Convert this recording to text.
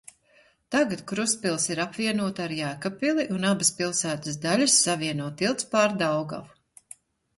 Tagad Krustpils ir apvienota ar Jēkabpili un abas pilsētas daļas savieno tilts pār Daugavu.